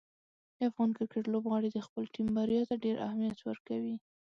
د افغان کرکټ لوبغاړي د خپلې ټیم بریا ته ډېر اهمیت ورکوي.